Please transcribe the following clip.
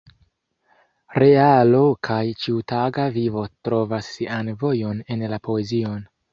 Realo kaj ĉiutaga vivo trovas sian vojon en la poezion.